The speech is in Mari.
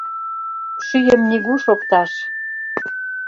Шӱйым нигуш опташ.